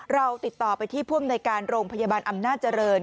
เราติดต่อไปที่ภูมิในการโรงพยาบาลอันนักเจริญ